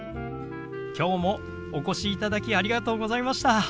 今日もお越しいただきありがとうございました。